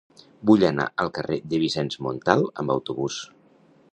Vull anar al carrer de Vicenç Montal amb autobús.